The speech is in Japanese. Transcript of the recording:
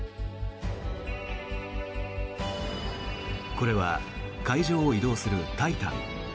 これは海上を移動する「タイタン」。